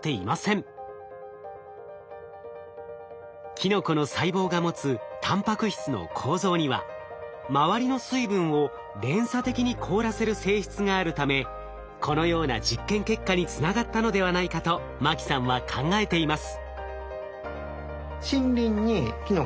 キノコの細胞が持つたんぱく質の構造には周りの水分を連鎖的に凍らせる性質があるためこのような実験結果につながったのではないかと牧さんは考えています。